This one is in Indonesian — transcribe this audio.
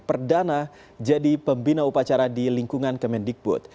perdana jadi pembina upacara di lingkungan kemendikbud